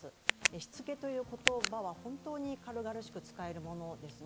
しつけという言葉は本当に軽々しく使えるものですね。